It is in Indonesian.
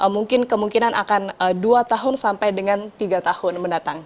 mungkin kemungkinan akan dua tahun sampai dengan tiga tahun mendatang